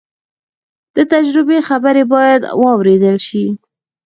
د تجربې خبرې باید واورېدل شي.